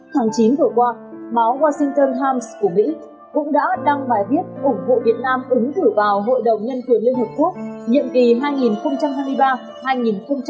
tháng chín vừa qua máu washington harms của mỹ cũng đã đăng bài viết ủng hộ việt nam ứng thử vào hội đồng nhân quyền liên hợp quốc